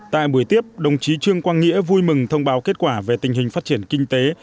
tại buổi tiếp đồng chí trương quang nghĩa vui mừng thông báo kết quả về tình hình phát triển kinh tế